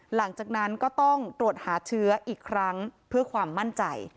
หลังจากนั้นก็ต้องตรวจหาเชื้ออีกครั้งเพื่อความมั่นใจ